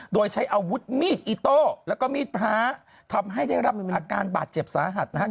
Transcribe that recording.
โดยใช้อาวุธมีดอิโต้แล้วก็มีดพระทำให้ได้รับอาการบาดเจ็บสาหัสนะครับ